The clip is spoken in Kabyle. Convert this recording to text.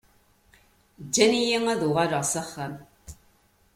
Ǧǧan-iyi ad uɣaleɣ s axxam.